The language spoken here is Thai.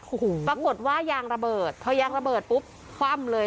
โอ้โหปรากฏว่ายางระเบิดพอยางระเบิดปุ๊บคว่ำเลย